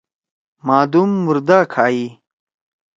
مادُوم مُردا کھائی۔